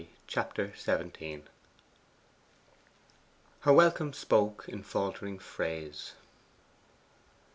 Chapter XVII 'Her welcome, spoke in faltering phrase.